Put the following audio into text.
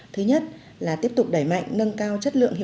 thứ nhất là tiếp tục đẩy mạnh nâng cao chất lượng